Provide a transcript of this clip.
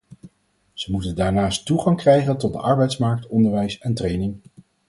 Ze moeten daarnaast toegang krijgen tot de arbeidsmarkt, onderwijs en training.